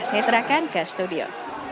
saya serahkan ke studio